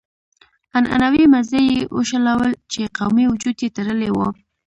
عنعنوي مزي يې وشلول چې قومي وجود يې تړلی و.